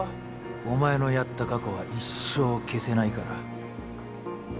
お前のやった過去は一生消せないから。